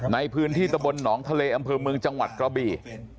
ในพื้นที่ตะบนหนองทะเลอำเภอเมืองจังหวัดกระบี่